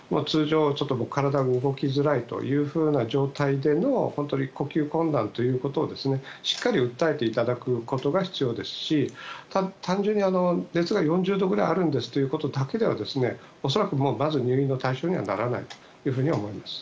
体も動きづらいという状態での呼吸困難ということをしっかり訴えていただくことが必要ですし単純に熱が４０度ぐらいあるんですということだけでは恐らく、まずは入院の対象にはならないと思います。